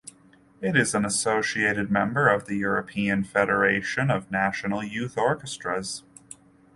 It is an associated member of the European Federation of National Youth Orchestras.